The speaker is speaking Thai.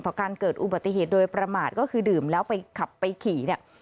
การเกิดอุบัติเหตุโดยประมาทก็คือดื่มแล้วไปขับไปขี่เนี่ย